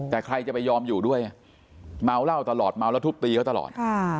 แต่ใครจะไปยอมอยู่ด้วยเมาเหล้าตลอดเมาแล้วทุบตีเขาตลอด